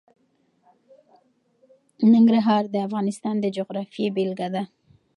ننګرهار د افغانستان د جغرافیې بېلګه ده.